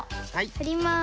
はります。